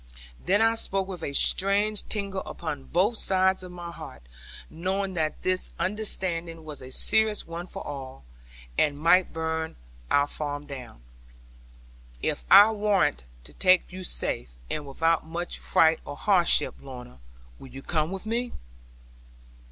Then I spoke with a strange tingle upon both sides of my heart, knowing that this undertaking was a serious one for all, and might burn our farm down, 'If I warrant to take you safe, and without much fright or hardship, Lorna, will you come with me?'